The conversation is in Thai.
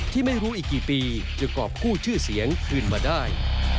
ที่ไม่รู้อีกกี่ปีจะกรอบกู้ชื่อเสียงคืนมาได้